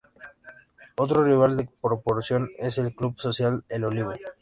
Otro rival de proporción es el "Club Social El Olivo".